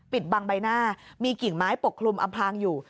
บังใบหน้ามีกิ่งไม้ปกคลุมอำพลางอยู่